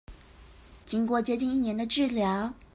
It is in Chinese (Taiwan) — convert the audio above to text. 經過接近一年的治療